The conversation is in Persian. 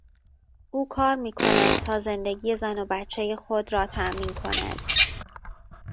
او کار میکند تا زندگی زن و بچهی خود را تامین کند.